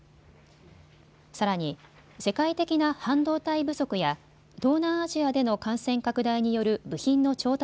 さらに、世界的な半導体不足や東南アジアでの感染拡大による部品の調達